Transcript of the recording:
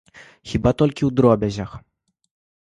Хіба толькі ў дробязях.